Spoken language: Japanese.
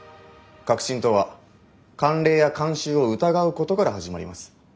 革新とは慣例や慣習を疑うことから始まります。